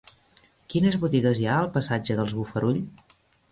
Quines botigues hi ha al passatge dels Bofarull?